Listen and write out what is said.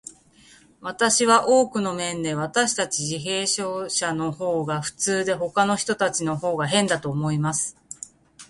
私は、多くの面で、私たち自閉症者のほうが普通で、ほかの人たちのほうが変だと思います。